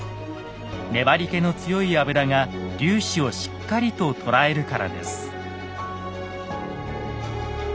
粘りけの強い油が粒子をしっかりと捉えるからです。